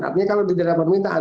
artinya kalau tidak ada permintaan